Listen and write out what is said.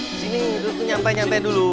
disini duduk nyampe nyampe dulu